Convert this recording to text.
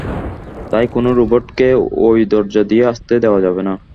তাই, কোনো রোবটকে ওই দরজা দিয়ে আসতে দেওয়া যাবে না।